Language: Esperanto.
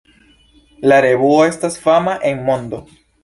La revuo estas fama en mondo.